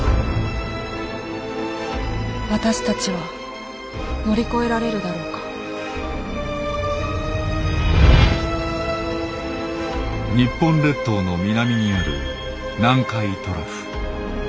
私たちは乗り越えられるだろうか日本列島の南にある南海トラフ。